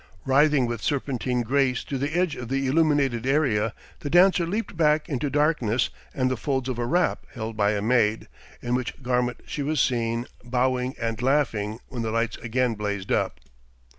Writhing with serpentine grace to the edge of the illuminated area, the dancer leaped back into darkness and the folds of a wrap held by a maid, in which garment she was seen, bowing and laughing, when the lights again blazed up.